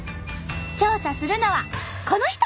調査するのはこの人！